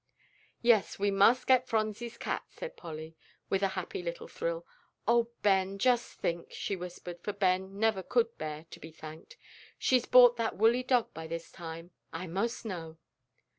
"Yes, we must get Phronsie's cat," said Polly, with a happy little thrill. "Oh, Ben, just think," she whispered, for Ben never could bear to be thanked, "she's bought that woolly dog by this time, I 'most know."